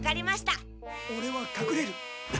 オレはかくれる。